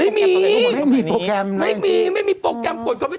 ไม่มีไม่มีโปรแกรมไม่มีโปรแกรมกดคอมเมตร